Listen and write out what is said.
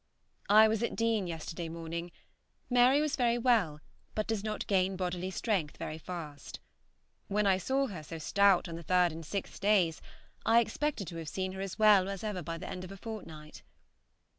I was at Deane yesterday morning. Mary was very well, but does not gain bodily strength very fast. When I saw her so stout on the third and sixth days, I expected to have seen her as well as ever by the end of a fortnight.